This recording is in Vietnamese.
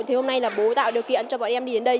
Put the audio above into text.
thì hôm nay là bố tạo điều kiện cho bọn em đi đến đây